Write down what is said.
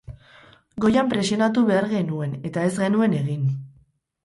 Goian presionatu behar genuen eta ez genuen egin.